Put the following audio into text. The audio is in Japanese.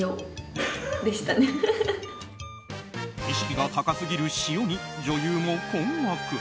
意識が高すぎる塩に女優も困惑。